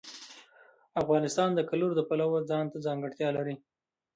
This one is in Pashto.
افغانستان د کلتور د پلوه ځانته ځانګړتیا لري.